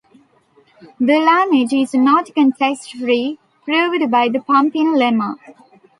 The language is not context-free, proved by the pumping lemma.